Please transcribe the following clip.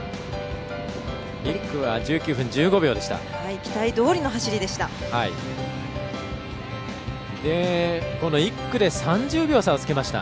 １区は１９分１５秒でした。